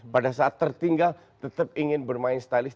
pada saat tertinggal tetap ingin bermain stylist